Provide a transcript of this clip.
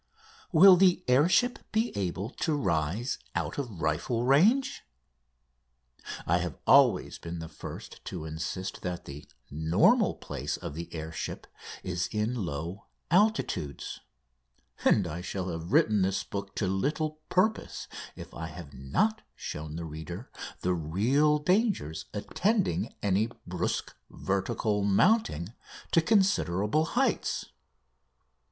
Will the air ship be able to rise out of rifle range? I have always been the first to insist that the normal place of the air ship is in low altitudes, and I shall have written this book to little purpose if I have not shown the reader the real dangers attending any brusque vertical mounting to considerable heights.